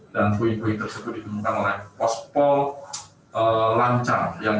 dan puing puing tersebut ditemukan oleh pospol lancar